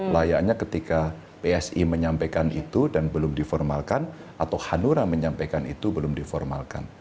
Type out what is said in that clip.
layaknya ketika psi menyampaikan itu dan belum diformalkan atau hanura menyampaikan itu belum diformalkan